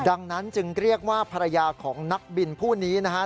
ดังนั้นจึงเรียกว่าภรรยาของนักบินผู้นี้นะฮะ